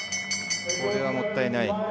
これはもったいない。